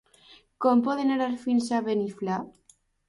Com podem anar fins a Beniflà?